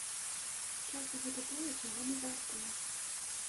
Часта гэта тое, чаго мы вартыя.